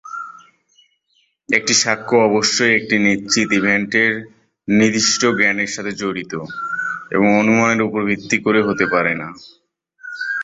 একটা সাক্ষ্য অবশ্যই একটি নিশ্চিত ইভেন্টের নির্দিষ্ট জ্ঞানের সাথে জড়িত, এবং অনুমানের উপর ভিত্তি করে হতে পারে না।